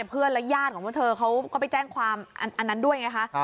เพื่อนและญาติของพวกเธอเขาก็ไปแจ้งความอันนั้นด้วยไงคะ